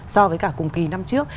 so với cả cùng kỳ năm trước